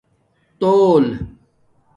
تول